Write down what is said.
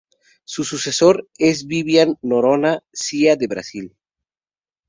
Su sucesor es Vivian Noronha Cia de Brasil